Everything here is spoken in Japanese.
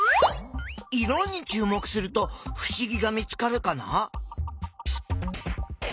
色にちゅう目するとふしぎが見つかるかな？